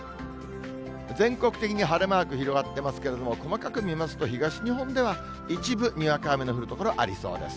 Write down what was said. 全国的に晴れマーク、広がってますけれども、細かく見ますと、東日本では一部にわか雨の降る所ありそうです。